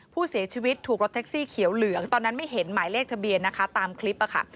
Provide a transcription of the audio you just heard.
ผู้เสียชีวิตถูกรถแท็กซี่เขียวเหลืองตอนนั้นไม่เห็นหมายเลขทะเบียนนะคะตามคลิปค่ะ